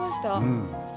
うん。